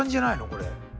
これ。